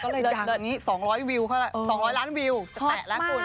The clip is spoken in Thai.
แบบนี้๒๐๐วิวเกิดจะแตะแล้วคุณ